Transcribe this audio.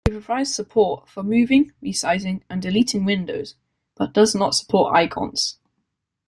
It provides support for moving, resizing, and deleting windows, but does not support icons.